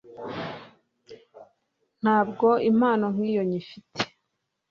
ntabwo impano nk'iyo nyifite